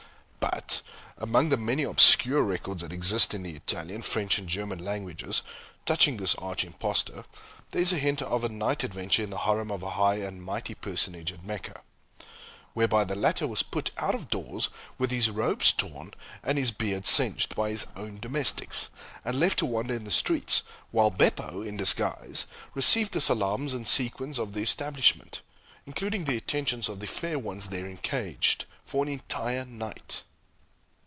But, among the many obscure records that exist in the Italian, French, and German languages, touching this arch impostor, there is a hint of a night adventure in the harem of a high and mighty personage, at Mecca, whereby the latter was put out of doors, with his robes torn and his beard singed, by his own domestics, and left to wander in the streets, while Beppo, in disguise, received the salaams and sequins of the establishment, including the attentions of the fair ones therein caged, for an entire night.